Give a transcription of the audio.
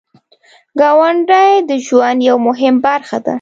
ګاونډی د ژوند یو مهم برخه ده